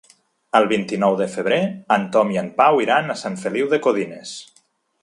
El vint-i-nou de febrer en Tom i en Pau iran a Sant Feliu de Codines.